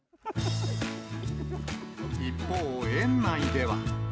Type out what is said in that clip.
一方、園内では。